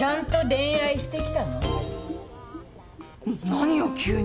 何よ急に。